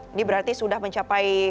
ini berarti sudah mencapai